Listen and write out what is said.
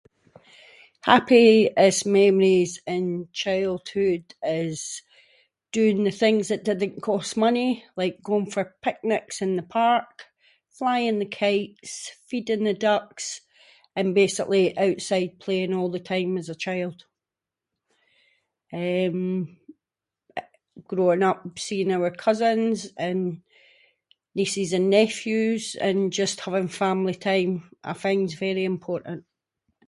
Happiest memories in childhood is doing the things that didn’t cost money, like going for picnics in the park, flying the kites, feeding the ducks, and basically outside playing all the time as a child, eh, growing up seeing our cousins, and nieces and nephews and just having family time, I find’s very important.